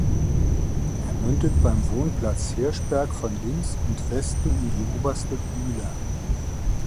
Er mündet beim Wohnplatz Hirschberg von links und Westen in die oberste Bühler.